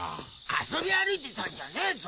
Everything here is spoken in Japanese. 遊び歩いてたんじゃねえぞ！